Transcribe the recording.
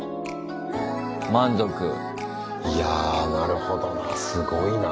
いやなるほどなすごいな。